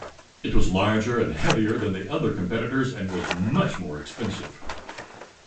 It was larger and heavier than the other competitors and was much more expensive.